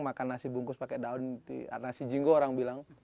makan nasi bungkus pakai daun nasi jingo orang bilang